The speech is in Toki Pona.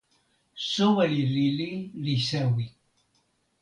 soweli lili li sewi.